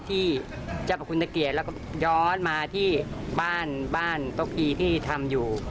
ที่จะประคุณเกียจแล้วก็ย้อนมาที่บ้านต๊วกีที่ทำอยุ่